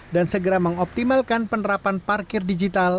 segera mengoptimalkan penerapan parkir digital